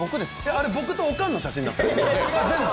あれ、僕とおかんの写真です、全部。